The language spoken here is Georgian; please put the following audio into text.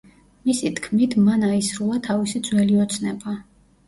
მისი თქმით, მან აისრულა თავისი ძველი ოცნება.